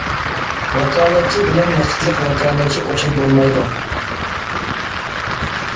ۋاكالەتچى بىلەن ۋاقىتلىق ۋاكالەتچى ئوخشاش بولمايدۇ.